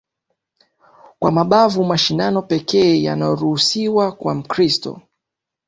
kwa mabavu Mashindano pekee yanayoruhusiwa kwa Mkristo